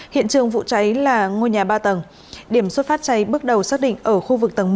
hiện trường vụ cháy là ngôi nhà ba tầng điểm xuất phát cháy bước đầu xác định ở khu vực tầng một